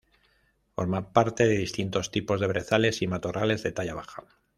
Forma parte de distintos tipos de brezales y matorrales de talla baja.